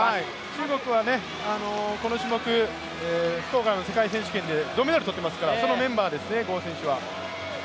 中国はこの種目、福岡の世界選手権で銅メダル取ってますからそのメンバーですね、呉選手は。